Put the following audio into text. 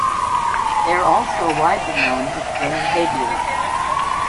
They are also widely known as "Jenny Haviers".